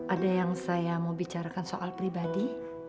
ada yang saya mau bicarakan soal pribadi